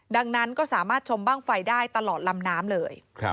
ดังนั้นก็สามารถชมบ้างไฟได้ตลอดลำน้ำเลย